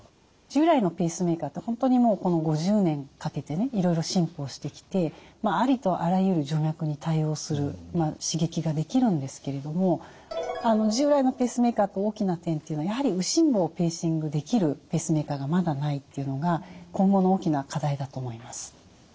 従来のペースメーカーって本当にもうこの５０年かけてねいろいろ進歩してきてありとあらゆる徐脈に対応する刺激ができるんですけれども従来のペースメーカーとの大きな点っていうのはやはり右心房をペーシングできるペースメーカーがまだないっていうのが今後の大きな課題だと思います。